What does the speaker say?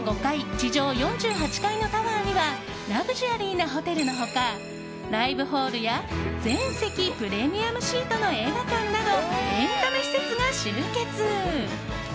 地上４８階のタワーにはラグジュアリーなホテルの他ライブホールや全席プレミアムシートの映画館などエンタメ施設が集結。